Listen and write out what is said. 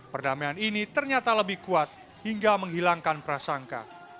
perdamaian ini ternyata lebih kuat hingga menghilangkan prasangka